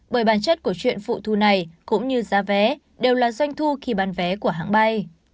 bởi bản chất của chuyện phụ thu này cũng như giá vé đều là doanh thu khi bán vé của hãng bay